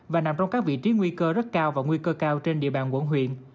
và nằm trong các vị trí nguy cơ rất cao và nguy cơ cao trên địa bàn quận huyện